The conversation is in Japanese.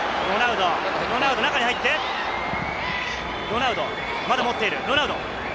ロナウド、中に入って、ロナウド、まだ持っている。